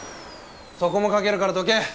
そこもかけるからどけ。